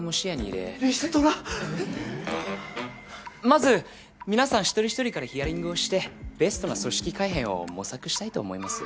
まず皆さん一人一人からヒアリングをしてベストな組織改編を模索したいと思います。